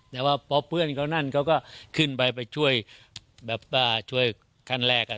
แต่ว่าพอเพื่อนเขานั่นเขาก็ขึ้นไปไปช่วยแบบว่าช่วยขั้นแรก